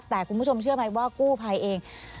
แต่คุณผู้ชมเชื่อไหมว่ากู้ภัยเอง